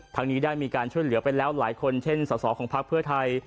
ทางนี้ได้มีการช่วยเหลือไปแล้วหลายคนเช่นสอสอของพักเพื่อไทย